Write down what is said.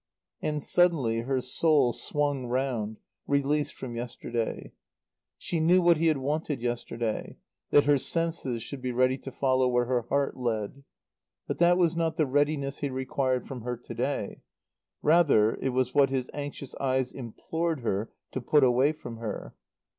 And suddenly her soul swung round, released from yesterday. She knew what he had wanted yesterday: that her senses should be ready to follow where her heart led. But that was not the readiness he required from her to day; rather it was what his anxious eyes implored her to put away from her.